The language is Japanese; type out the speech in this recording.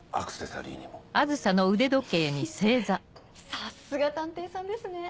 さすが探偵さんですね！